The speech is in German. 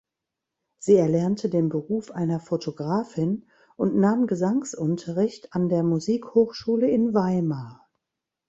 Sie erlernte den Beruf einer Fotografin und nahm Gesangsunterricht an der Musikhochschule in Weimar.